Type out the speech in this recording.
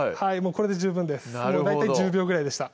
これで十分です大体１０秒ぐらいでした